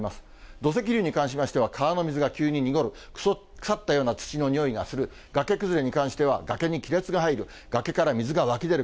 土石流に関しましては、川の水が急に濁る、腐ったような土の臭いがする、崖崩れに関しては、崖に亀裂が入る、崖から水が湧き出る。